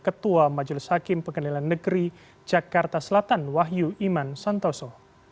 ketua majelis hakim pengadilan negeri jakarta selatan wahyu iman santoso